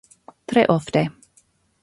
Tre ofte.